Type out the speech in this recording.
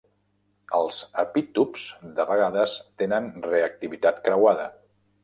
Els epítops de vegades tenen reactivitat creuada.